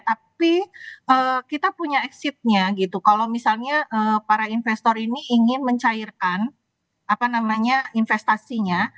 tapi kita punya exitnya gitu kalau misalnya para investor ini ingin mencairkan investasinya